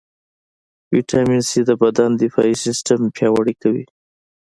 ويټامين C د بدن دفاعي سیستم پیاوړئ کوي.